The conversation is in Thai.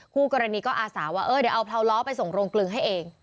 คู่กรณีก็อาสาว่าเออเดี๋ยวเอาเผาล้อไปส่งโรงกลึงให้เอง